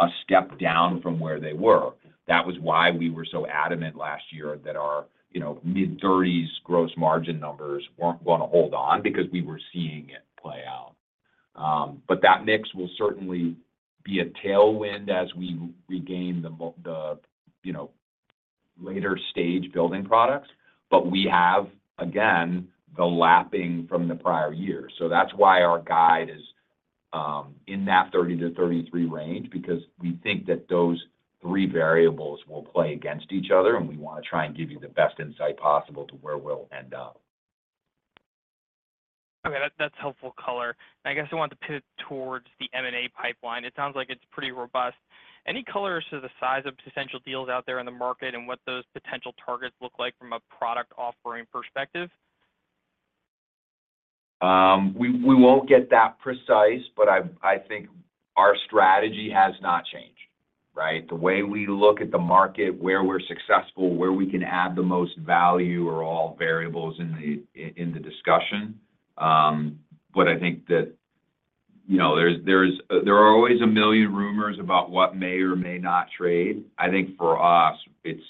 a step down from where they were. That was why we were so adamant last year that our, you know, mid-thirties Gross Margin numbers weren't gonna hold on because we were seeing it play out. But that mix will certainly be a tailwind as we regain the, you know, later stage building products. But we have, again, the lapping from the prior year. So that's why our guide is, in that 30-33 range, because we think that those three variables will play against each other, and we want to try and give you the best insight possible to where we'll end up. Okay, that, that's helpful color. I guess I want to pivot towards the M&A pipeline. It sounds like it's pretty robust. Any color as to the size of potential deals out there in the market and what those potential targets look like from a product offering perspective? We won't get that precise, but I think our strategy has not changed, right? The way we look at the market, where we're successful, where we can add the most value, are all variables in the discussion. But I think that, you know, there are always a million rumors about what may or may not trade. I think for us, it's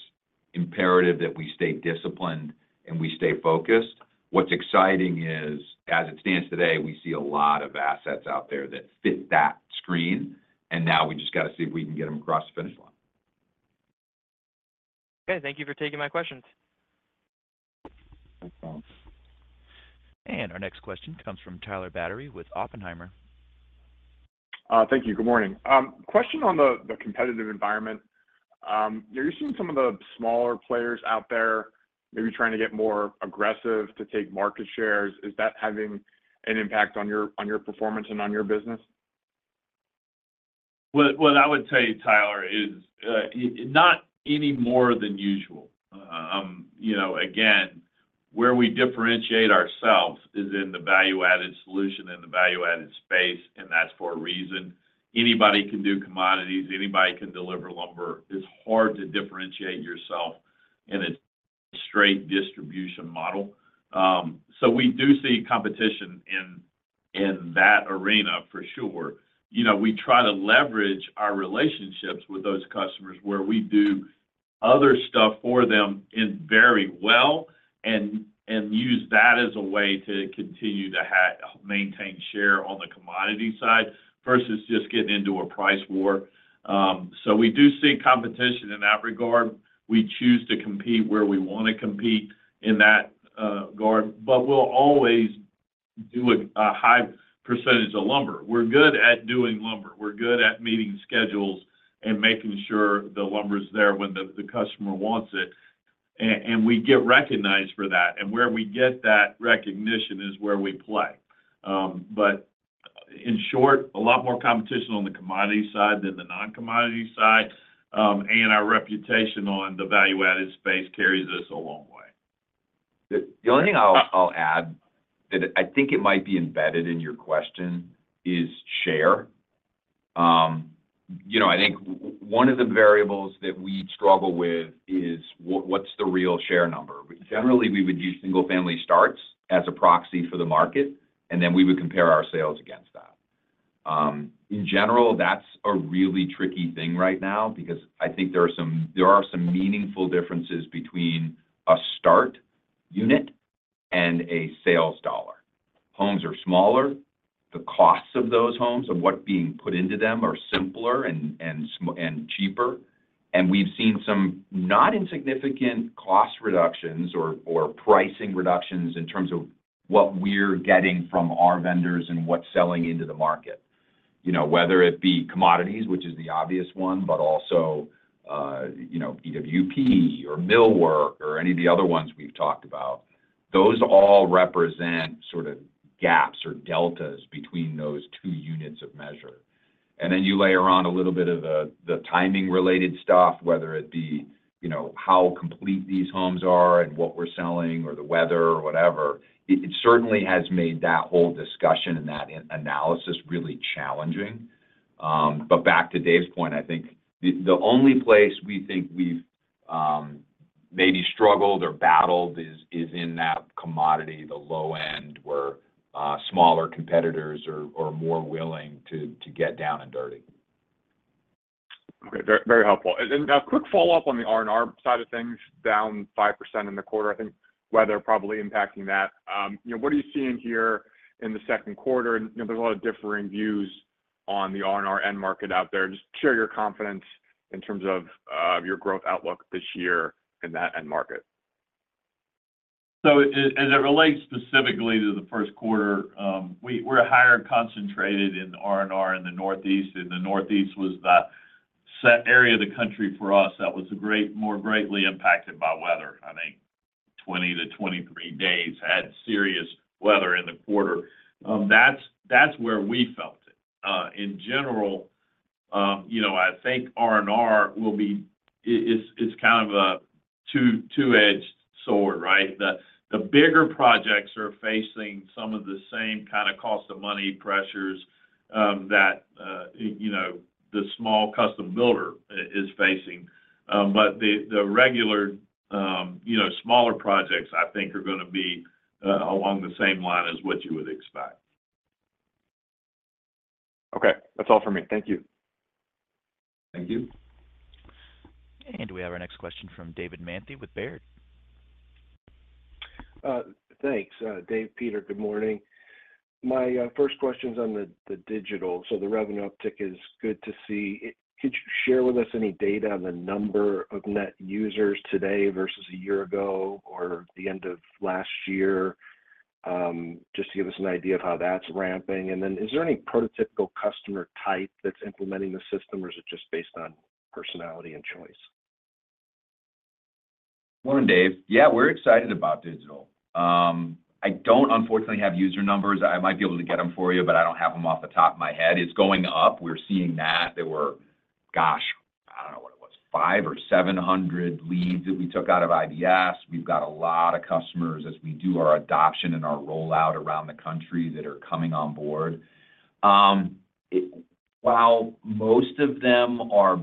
imperative that we stay disciplined and we stay focused. What's exciting is, as it stands today, we see a lot of assets out there that fit that screen, and now we just got to see if we can get them across the finish line. Okay. Thank you for taking my questions. Thanks. Our next question comes from Tyler Batory with Oppenheimer. Thank you. Good morning. Question on the competitive environment. Are you seeing some of the smaller players out there maybe trying to get more aggressive to take market shares? Is that having an impact on your performance and on your business? Well, what I would tell you, Tyler, is not any more than usual. You know, again, where we differentiate ourselves is in the value-added solution and the value-added space, and that's for a reason. Anybody can do commodities, anybody can deliver lumber. It's hard to differentiate yourself in a straight distribution model. So we do see competition in that arena for sure. You know, we try to leverage our relationships with those customers, where we do other stuff for them and very well, and use that as a way to continue to maintain share on the commodity side versus just getting into a price war. So we do see competition in that regard. We choose to compete where we want to compete in that regard, but we'll always do a high percentage of lumber. We're good at doing lumber. We're good at meeting schedules and making sure the lumber's there when the customer wants it, and we get recognized for that, and where we get that recognition is where we play. But in short, a lot more competition on the commodity side than the non-commodity side, and our reputation on the value-added space carries us a long way. The only thing I'll add, and I think it might be embedded in your question, is share. You know, I think one of the variables that we struggle with is what's the real share number? Generally, we would use single-family starts as a proxy for the market, and then we would compare our sales against that. In general, that's a really tricky thing right now because I think there are some meaningful differences between a start unit and a sales dollar. Homes are smaller. The costs of those homes and what being put into them are simpler and cheaper, and we've seen some not insignificant cost reductions or pricing reductions in terms of what we're getting from our vendors and what's selling into the market. You know, whether it be commodities, which is the obvious one, but also, you know, EWP or millwork or any of the other ones we've talked about. Those all represent sort of gaps or deltas between those two units of measure. And then you layer on a little bit of the timing-related stuff, whether it be, you know, how complete these homes are and what we're selling or the weather or whatever, it certainly has made that whole discussion and that analysis really challenging. But back to Dave's point, I think the only place we think we've maybe struggled or battled is in that commodity, the low end, where smaller competitors are more willing to get down and dirty. Okay. Very, very helpful. And then a quick follow-up on the R&R side of things, down 5% in the quarter. I think weather probably impacting that. You know, what are you seeing here in the second quarter? You know, there's a lot of differing views on the R&R end market out there. Just share your confidence in terms of your growth outlook this year in that end market. So as it relates specifically to the first quarter, we're higher concentrated in R&R in the Northeast. In the Northeast was the set area of the country for us that was more greatly impacted by weather. I think 20-23 days had serious weather in the quarter. That's where we felt it. In general, you know, I think R&R will be... it's kind of a two-edged sword, right? The bigger projects are facing some of the same kind of cost of money pressures that you know the small custom builder is facing. But the regular, you know, smaller projects, I think, are gonna be along the same line as what you would expect. Okay. That's all for me. Thank you. Thank you. We have our next question from David Manthey with Baird. Thanks, Dave, Peter, good morning. My first question is on the digital. So the revenue uptick is good to see. Could you share with us any data on the number of net users today versus a year ago or the end of last year, just to give us an idea of how that's ramping? And then, is there any prototypical customer type that's implementing the system, or is it just based on personality and choice? Morning, Dave. Yeah, we're excited about digital. I don't, unfortunately, have user numbers. I might be able to get them for you, but I don't have them off the top of my head. It's going up. We're seeing that. There were, gosh, I don't know what it was, 500 or 700 leads that we took out of IBS. We've got a lot of customers as we do our adoption and our rollout around the country that are coming on board. It while most of them are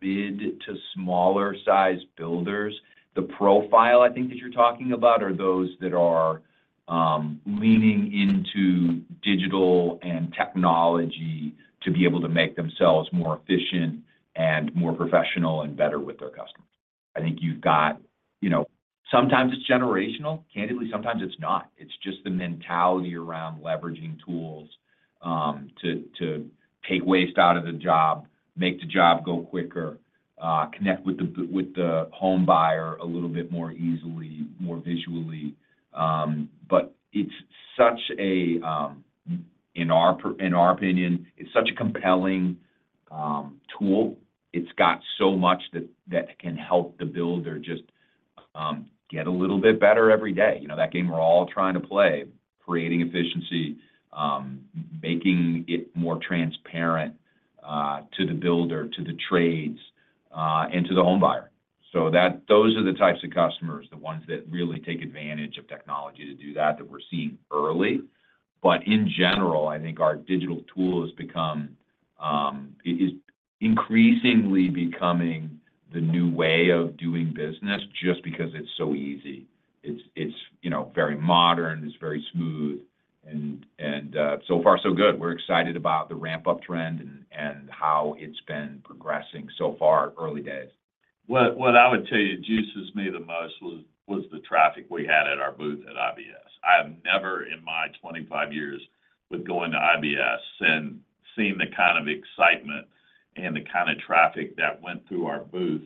mid to smaller-sized builders, the profile I think that you're talking about are those that are leaning into digital and technology to be able to make themselves more efficient and more professional and better with their customers. I think you've got, you know, sometimes it's generational. Candidly, sometimes it's not. It's just the mentality around leveraging tools, to take waste out of the job, make the job go quicker, connect with the homebuyer a little bit more easily, more visually. But it's such a, in our opinion, it's such a compelling tool. It's got so much that can help the builder just get a little bit better every day. You know, that game we're all trying to play, creating efficiency, making it more transparent to the builder, to the trades, and to the homebuyer. So that... those are the types of customers, the ones that really take advantage of technology to do that, that we're seeing early. But in general, I think our digital tool has become, is increasingly becoming the new way of doing business just because it's so easy. It's you know very modern, it's very smooth, and so far, so good. We're excited about the ramp-up trend and how it's been progressing so far, early days. What I would tell you juices me the most was the traffic we had at our booth at IBS. I have never in my 25 years with going to IBS and seen the kind of excitement and the kind of traffic that went through our booth,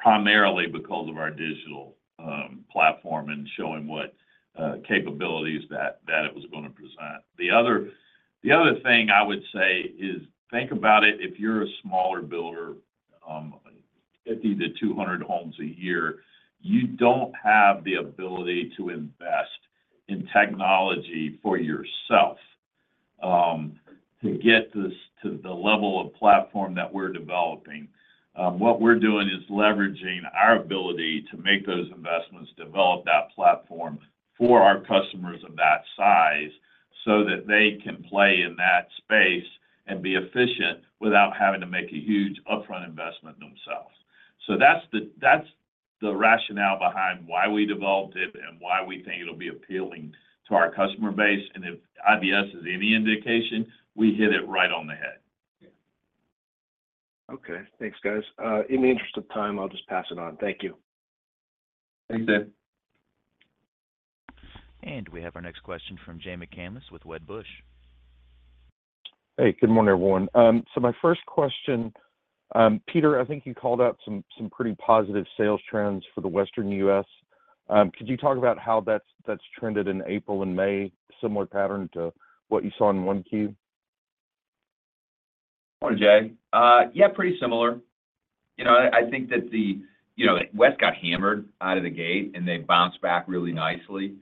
primarily because of our digital platform and showing what, capabilities that it was going to present. The other thing I would say is, think about it, if you're a smaller builder, 50-200 homes a year, you don't have the ability to invest in technology for yourself, to get this to the level of platform that we're developing. What we're doing is leveraging our ability to make those investments, develop that platform for our customers of that size, so that they can play in that space and be efficient without having to make a huge upfront investment themselves. So that's the rationale behind why we developed it and why we think it'll be appealing to our customer base. And if IBS is any indication, we hit it right on the head. Okay. Thanks, guys. In the interest of time, I'll just pass it on. Thank you. Thanks, Dave. We have our next question from Jay McCanless with Wedbush. Hey, good morning, everyone. So my first question, Peter, I think you called out some, some pretty positive sales trends for the Western U.S. Could you talk about how that's, that's trended in April and May, similar pattern to what you saw in 1Q? Morning, Jay. Yeah, pretty similar. You know, I think that the, you know, West got hammered out of the gate, and they bounced back really nicely.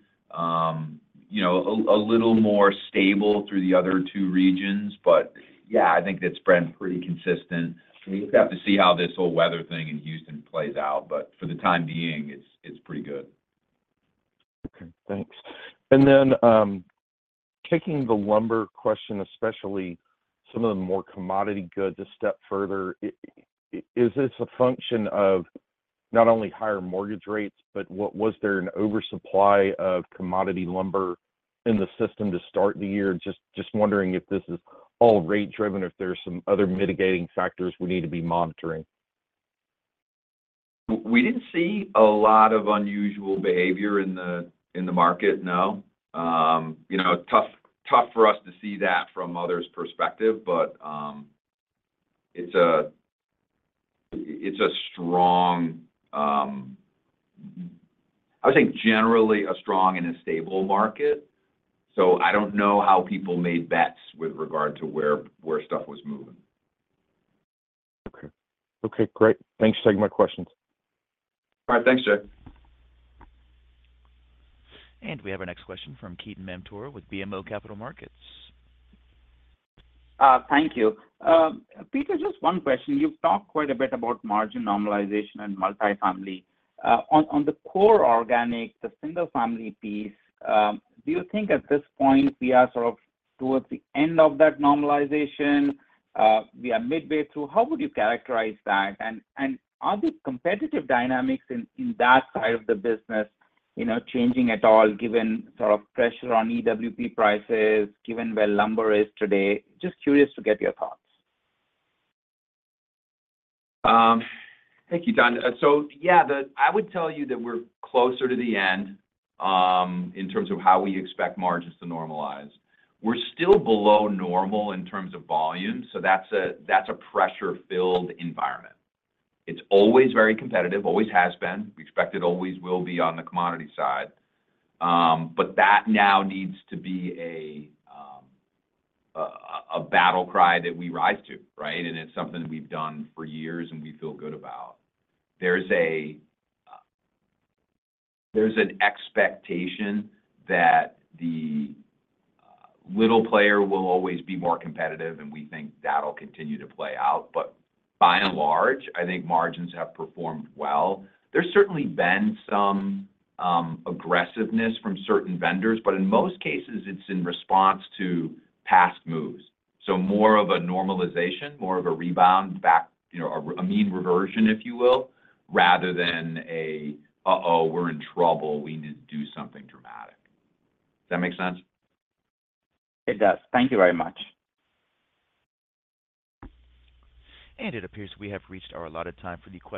You know, a little more stable through the other two regions, but yeah, I think that's been pretty consistent. We've got to see how this whole weather thing in Houston plays out, but for the time being, it's pretty good. Okay, thanks. And then, kicking the lumber question, especially some of the more commodity goods, a step further, is this a function of not only higher mortgage rates, but was there an oversupply of commodity lumber in the system to start the year? Just wondering if this is all rate-driven, or if there are some other mitigating factors we need to be monitoring. We didn't see a lot of unusual behavior in the market, no. You know, tough for us to see that from others' perspective, but it's a strong... I would say generally a strong and a stable market, so I don't know how people made bets with regard to where stuff was moving. Okay. Okay, great. Thanks for taking my questions. All right, thanks, Jay. We have our next question from Ketan Mamtora with BMO Capital Markets. Thank you. Peter, just one question. You've talked quite a bit about margin normalization and Multifamily. On the core organic, the Single-Family piece, do you think at this point we are sort of towards the end of that normalization? We are midway through. How would you characterize that? And are the competitive dynamics in that side of the business, you know, changing at all, given sort of pressure on EWP prices, given where lumber is today? Just curious to get your thoughts. Thank you, Don. So yeah, I would tell you that we're closer to the end in terms of how we expect margins to normalize. We're still below normal in terms of volume, so that's a pressure-filled environment. It's always very competitive, always has been. We expect it always will be on the commodity side. But that now needs to be a battle cry that we rise to, right? And it's something we've done for years, and we feel good about. There's an expectation that the little player will always be more competitive, and we think that'll continue to play out. But by and large, I think margins have performed well. There's certainly been some aggressiveness from certain vendors, but in most cases, it's in response to past moves. More of a normalization, more of a rebound back, you know, a mean reversion, if you will, rather than uh-oh, we're in trouble, we need to do something dramatic. Does that make sense? It does. Thank you very much. It appears we have reached our allotted time for the question-